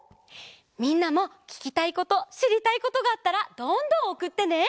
みんなもききたいことしりたいことがあったらどんどんおくってね！